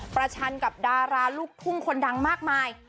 ชันกับดาราลูกทุ่งคนดังมากมาย